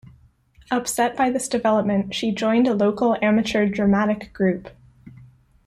Upset by this development, she joined a local amateur dramatic group.